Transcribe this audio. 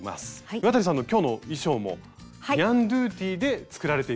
岩谷さんの今日の衣装もニャンドゥティで作られているんですよね。